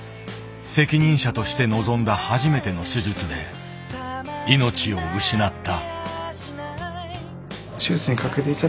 責任者とした臨んだ初めての手術で命を失った。